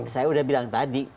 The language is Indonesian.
saya udah bilang tadi